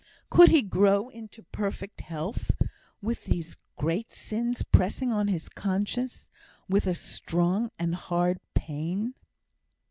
Could he grow into perfect health, with these great sins pressing on his conscience with a strong and hard pain?